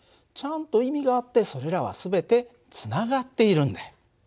ちゃんと意味があってそれらは全てつながっているんだよ。